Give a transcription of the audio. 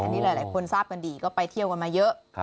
อันนี้หลายคนทราบกันดีก็ไปเที่ยวกันมาเยอะ